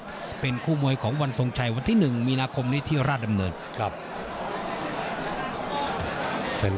ก็เป็นคู่มวยของวัลส่งชัยวันที่หนึ่งมีนาคมนี้ที่ราชดำเนิน